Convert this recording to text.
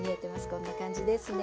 こんな感じですね。